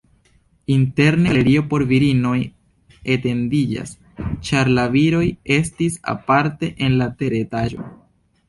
Interne galerio por virinoj etendiĝas, ĉar la viroj estis aparte en la teretaĝo.